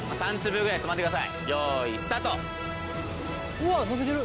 うわっ伸びてる！